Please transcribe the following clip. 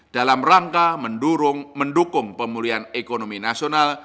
dalam rangka mendukung pemulihan ekonomi nasional